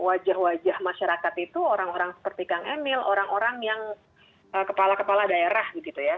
kita harus melakukan langsung dengan wajah wajah masyarakat itu orang orang seperti kang emil orang orang yang kepala kepala daerah gitu ya